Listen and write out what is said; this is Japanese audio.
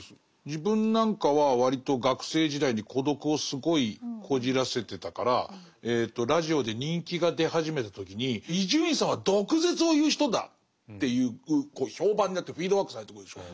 自分なんかは割と学生時代に孤独をすごいこじらせてたからラジオで人気が出始めた時に「伊集院さんは毒舌を言う人だ」っていう評判になってフィードバックされてくるでしょ。